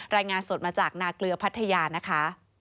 รายงานสดมาจากนาเกลือพัทยานะคะ